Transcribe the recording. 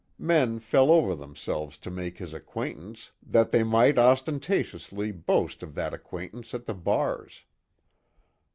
Men fell over themselves to make his acquaintance that they might ostentatiously boast of that acquaintance at the bars.